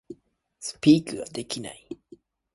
Speak ができない